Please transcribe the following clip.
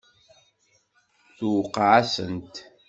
Tuqeε-asent.